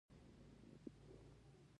خو حکومتولي ورته مشکله ده